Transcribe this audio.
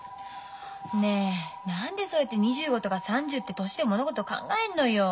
ねえ何でそうやって２５とか３０って年で物事を考えんのよ。